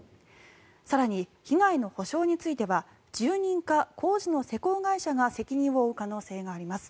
更に被害の補償については住人か工事の施工会社が責任を負う可能性があります。